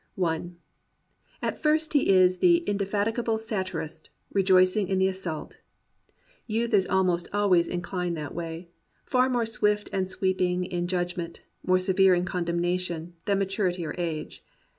At first he is the indefatigable satirist, rejoicing in the assault. Youth is almost always inclined that way ^far more swift and sweeping in judg ment, more severe in condemnation, than maturity or age.